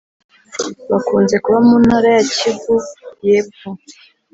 bakunze kuba mu Ntara ya Kivu y’Epfo